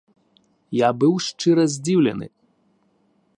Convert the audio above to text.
Я быў шчыра здзіўлены.